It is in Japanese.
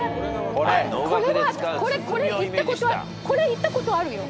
これ行ったことあるよ。